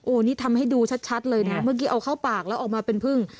นี่ทำให้ดูชัดเลยนะเมื่อกี้เอาเข้าปากแล้วออกมาเป็นพึ่ง